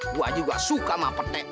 gue juga suka sama pete